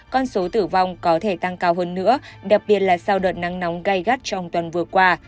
con số tử vong có thể tăng cao hơn nữa đặc biệt là sau đợt nắng nóng gai gắt trong tuần vừa qua